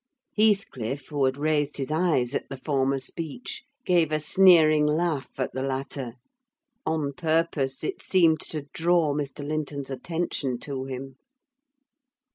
Heathcliff, who had raised his eyes at the former speech, gave a sneering laugh at the latter; on purpose, it seemed, to draw Mr. Linton's attention to him.